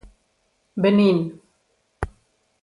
Benín.